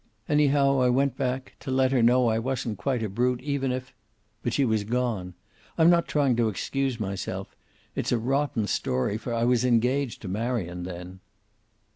Anyhow, I went back, to let her know I wasn't quite a brute, even if But she was gone. I'm not trying to excuse myself. It's a rotten story, for I was engaged to Marion then."